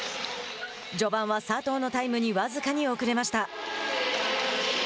序盤は佐藤のタイムに僅かに遅れました。